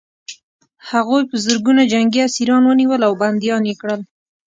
هغوی په زرګونه جنګي اسیران ونیول او بندیان یې کړل